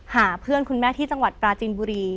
หาเพื่อนคุณแม่ที่จังหวัดปราจินบุรี